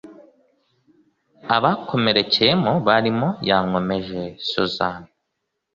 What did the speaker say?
abakomerekeyemo barimo Yankomeje Susan